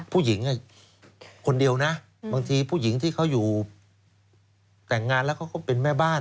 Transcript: ผู้หญิงคนเดียวนะบางทีผู้หญิงที่เขาอยู่แต่งงานแล้วเขาก็เป็นแม่บ้าน